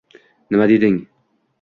Nima deding?